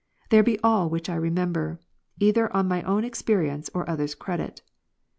There be all which I remember, either on my own experience, or others' credit.